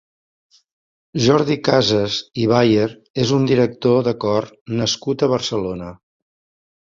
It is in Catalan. Jordi Casas i Bayer és un director de cor nascut a Barcelona.